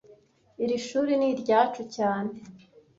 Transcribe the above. Iri shuri ni iryacu cyane